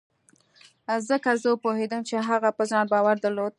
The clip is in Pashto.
ځکه زه پوهېدم چې هغه په ځان باور درلود.